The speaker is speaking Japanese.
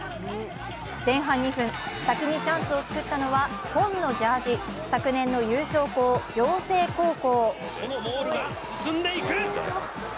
前半２分、先にチャンスをつくったのは紺のジャージー、昨年の優勝校、仰星高校。